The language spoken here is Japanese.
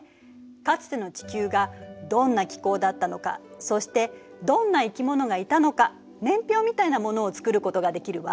かつての地球がどんな気候だったのかそしてどんな生き物がいたのか年表みたいなものを作ることができるわ。